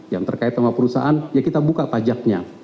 yang terkait sama perusahaan ya kita buka pajaknya